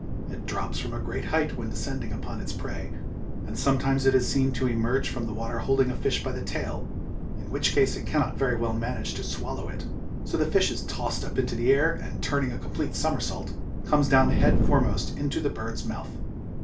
It drops from a great height when descending upon its prey, and sometimes it is seen to emerge from the water holding a fish by the tail, in which case it cannot very well manage to swallow it, so the fish is tossed up into the air and, turning a complete somersault, comes down head foremost into the bird's mouth.